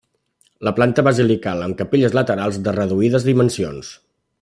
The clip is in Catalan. La planta basilical amb capelles laterals de reduïdes dimensions.